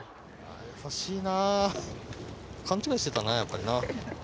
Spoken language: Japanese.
優しいなあ、勘違いしてたな、やっぱりな。